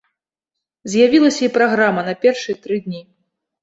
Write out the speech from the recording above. З'явілася і праграма на першыя тры дні.